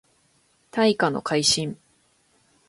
大化の改新